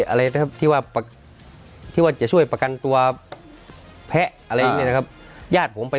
อะไรนะครับที่ว่าที่ว่าจะช่วยประกันตัวแพะอะไรอย่างนี้นะครับญาติผมไป